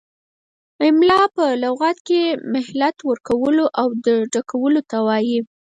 املاء په لغت کې مهلت ورکولو او ډکولو ته وايي.